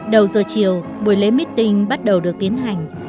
đầu giờ chiều buổi lễ meeting bắt đầu được tiến hành